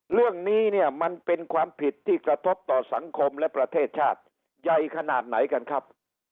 เรื่องนี้เนี่ยมันเป็นความผิดที่กระทบต่อสังคมและประเทศชาติใหญ่ขนาดไหนกันครับ